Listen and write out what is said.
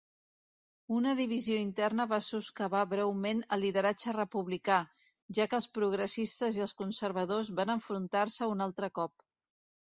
Una divisió interna va soscavar breument el lideratge republicà, ja que els progressistes i els conservadors van enfrontar-se un altre cop.